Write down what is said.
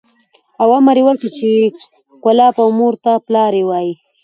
او امر یې وکړ چې کلاب او مور و پلار ته یې